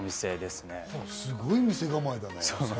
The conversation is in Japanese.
すごい店構えだね。